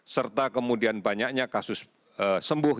serta kemudian banyaknya kasus sembuh